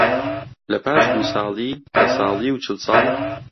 لەپاش دوو ساڵی، دە ساڵی و چل ساڵ